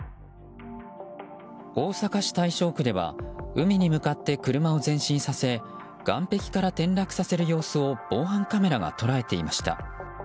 大阪市大正区では海に向かって車を前進させ岸壁から転落させる様子を防犯カメラが捉えていました。